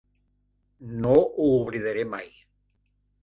No ho oblidaré mai.